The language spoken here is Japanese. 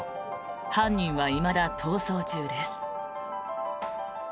犯人はいまだ逃走中です。